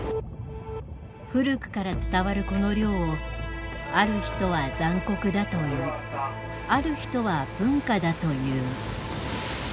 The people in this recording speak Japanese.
古くから伝わるこの漁をある人は残酷だと言いある人は文化だと言う。